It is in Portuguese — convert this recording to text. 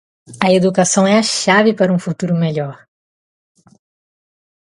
A educação é a chave para um futuro melhor.